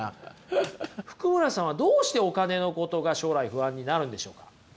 福村さんはどうしてお金のことが将来不安になるんでしょうか？